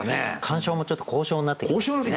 鑑賞もちょっと高尚になってきますね。